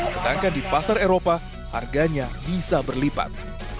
sedangkan di pasar eropa harganya bisa berlipat